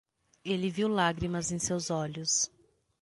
Ele viu lágrimas em seus olhos.